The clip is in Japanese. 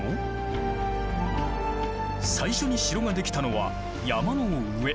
最初に城ができたのは山の上。